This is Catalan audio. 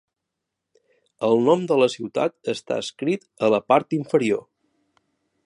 El nom de la ciutat està escrit en la part inferior.